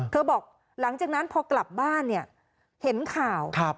เธอบอกหลังจากนั้นพอกลับบ้านเห็นข่าว